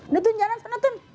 netun jangan senetun